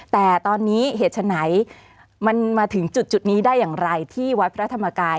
แต่ตอนนี้เหตุฉะไหนมันมาถึงจุดนี้ได้อย่างไรที่วัดพระธรรมกาย